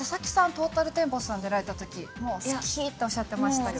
トータルテンボスさん出られた時もう好きっておっしゃってましたよね。